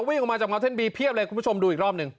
วิ่งออกมาจากเงาเท่นบีเพียบเลยคุณผู้ชมดูอีกรอบหนึ่ง